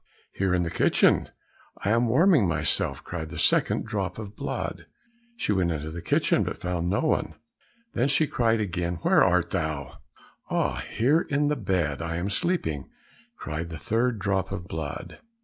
"Here in the kitchen, I am warming myself," cried the second drop of blood. She went into the kitchen, but found no one. Then she cried again, "Where art thou?" "Ah, here in the bed, I am sleeping." cried the third drop of blood.